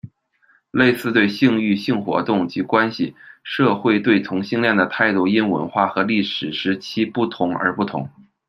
类似对性欲、性活动及关系，社会对同性恋的态度因文化和历史时期不同而不同。